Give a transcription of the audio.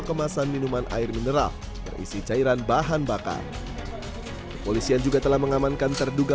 kemasan minuman air mineral terisi cairan bahan bakar polisi yang juga telah mengamankan terduga